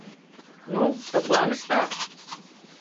— Ну, тыпланышда?